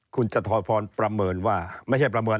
คุณจตุพรประเมินว่า